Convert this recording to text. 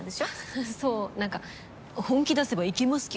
ははっそう何か本気出せばいけますけど？